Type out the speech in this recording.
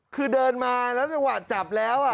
คือเดินมานแต่ว่ามันจับแล้ว